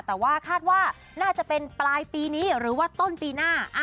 แต่ว่าคาดว่าน่าจะเป็นปลายปีนี้หรือว่าต้นปีหน้า